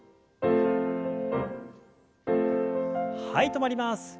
はい止まります。